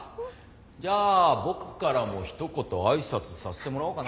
じゃあ僕からもひと言挨拶させてもらおうかな。